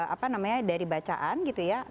apa namanya dari bacaan gitu ya